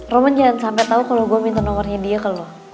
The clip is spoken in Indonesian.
roman jangan sampe tau kalo gue minta nomornya dia ke lo